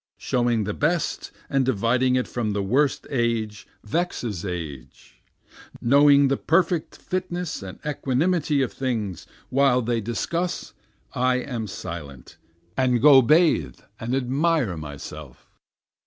Showing the best and dividing it from the worst age vexes age, Knowing the perfect fitness and equanimity of things, while they discuss I am silent, and go bathe and admire myself.